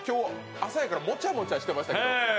朝やからもちゃもちゃしてましたけど。